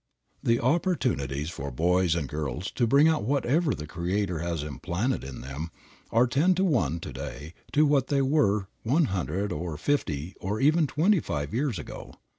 The opportunities for boys and girls to bring out whatever the Creator has implanted in them are ten to one to day to what they were one hundred, or fifty, or even twenty five years ago.